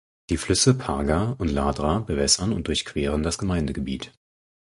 Die Flüsse Parga und Ladra bewässern und durchqueren das Gemeindegebiet.